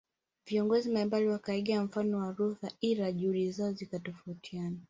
Viongozi mbalimbali wakaiga mfano wa Luther ila juhudi zao zikatofautiana